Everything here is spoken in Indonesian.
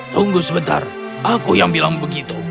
tunggu sebentar aku yang bilang begitu